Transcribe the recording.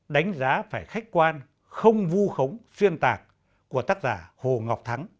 đây là một bài thách quan không vu khống xuyên tạc của tác giả hồ ngọc thắng